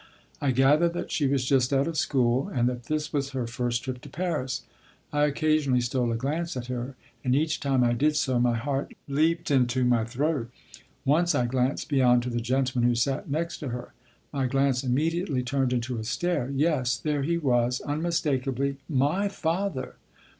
I gathered that she was just out of school, and that this was her first trip to Paris. I occasionally stole a glance at her, and each time I did so my heart leaped into my throat. Once I glanced beyond to the gentleman who sat next to her. My glance immediately turned into a stare. Yes, there he was, unmistakably, my father!